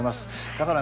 だからね